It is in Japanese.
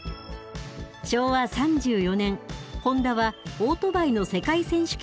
昭和３４年ホンダはオートバイの世界選手権に参戦。